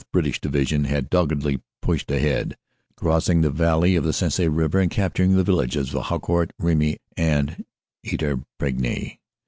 (British) Division had doggedly pushed ahead, crossing the valley of the Sensee river and cap turing the villages of Haucourt, Remy and Eterpigny.